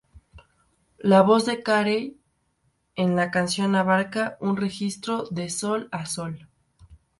La voz de Carey en la canción abarca un registro de "sol" a "sol".